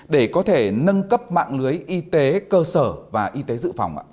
để có thể nâng cấp mạng lưới y tế cơ sở và y tế dự phòng ạ